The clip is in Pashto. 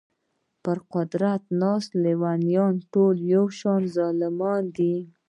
پر قدرت ناست لېونیان ټول یو شان ظالمان دي.